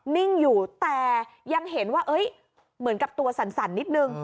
นิ่งอยู่แต่ยังเห็นว่าเหมือนกับตัวสั่นนิดนึง